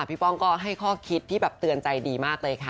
ป้องก็ให้ข้อคิดที่แบบเตือนใจดีมากเลยค่ะ